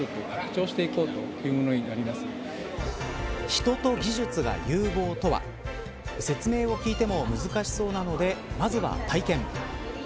人と技術が融合とは説明を聞いても難しそうなのでまずは体験。